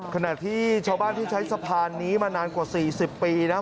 ขณะที่ชาวบ้านที่ใช้สะพานนี้มานานกว่า๔๐ปีนะ